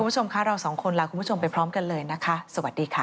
คุณผู้ชมค่ะเราสองคนลาคุณผู้ชมไปพร้อมกันเลยนะคะสวัสดีค่ะ